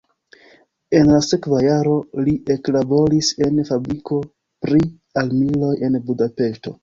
En la sekva jaro li eklaboris en fabriko pri armiloj en Budapeŝto.